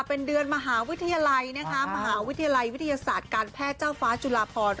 เป็นเดือนมหาวิทยาลัยนะคะมหาวิทยาลัยวิทยาศาสตร์การแพทย์เจ้าฟ้าจุลาพร